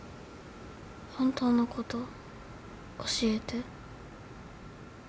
本当のこと教えて。